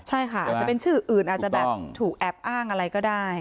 ใช่ค่ะอาจจะเป็นชื่ออื่นอาจจะแบบถูกแอบอ้างอะไรก็ได้